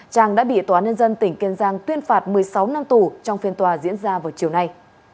trang đã bị tòa án nhân dân tỉnh kiên giang tuyên phạt một mươi sáu năm tù trong phiên tòa diễn ra vào chiều nay